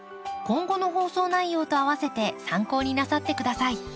今後の放送内容とあわせて参考になさって下さい。